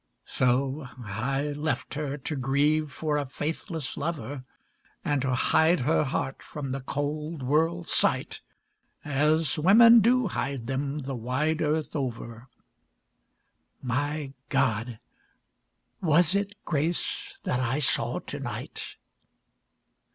So I left her to grieve for a faithless lover, And to hide her heart from the cold world's sight As women do hide them, the wide earth over; My God! was it Grace that I saw to night?